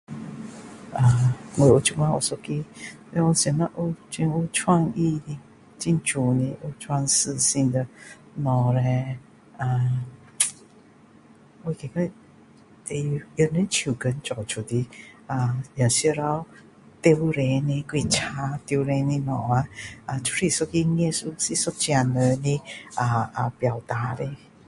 我现在有一个他说有什么有很有创意的很美的钻石性的东西叻呃啧我觉得也是人手工做出来的呃石头雕出来的还是木雕出来的东西都是一个艺术是一个人的啊啊表达的